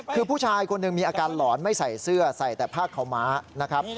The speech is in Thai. คือผู้ชายคนหนึ่งมีอาการหลอนไม่ใส่เสื้อใส่แต่ผ้าขาวม้านะครับ